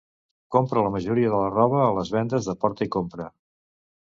Compra la majoria de la roba a les vendes de "porta i compra".